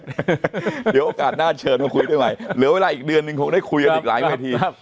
เดี๋ยวโอกาสหน้าเชิญมาคุยด้วยใหม่เหลือเวลาอีกเดือนนึงคงได้คุยกันอีกหลายเวที